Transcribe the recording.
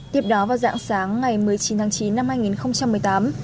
tiếp đó vào dạng sáng ngày một mươi chín tháng chín năm hai nghìn một mươi tám